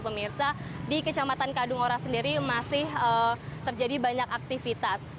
pemirsa di kecamatan kadungora sendiri masih terjadi banyak aktivitas